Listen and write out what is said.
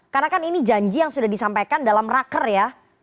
karena kan ini janji yang sudah disampaikan dalam raker ya